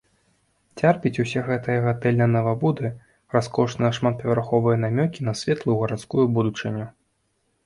Цярпіць усе гэтыя гатэльныя навабуды, раскошныя шматпавярховыя намёкі на светлую гарадскую будучыню.